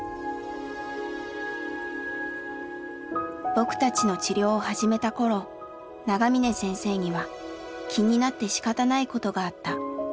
僕たちの治療を始めたころ長嶺先生には気になってしかたないことがあった。